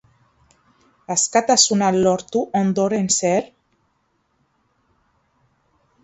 Askatasuna lortu ondoren zer?